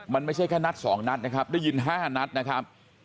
มันไม่ใช่แค่นัด๒นัดนะครับได้ยิน๕นัดนะครับ